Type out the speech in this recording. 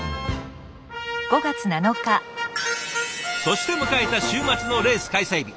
そして迎えた週末のレース開催日。